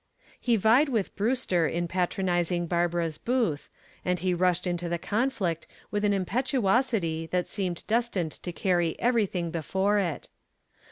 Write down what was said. He vied with Brewster in patronizing Barbara's booth, and he rushed into the conflict with an impetuosity that seemed destined to carry everything before it.